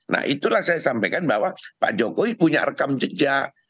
nah itulah saya sampaikan bahwa pak jokowi punya rekam jejak